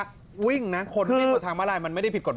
คนวิ่งบนทางมาลายมันไม่ได้ผิดกฎหมาย